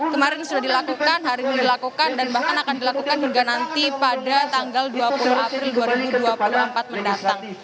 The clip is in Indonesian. kemarin sudah dilakukan hari ini dilakukan dan bahkan akan dilakukan hingga nanti pada tanggal dua puluh april dua ribu dua puluh empat mendatang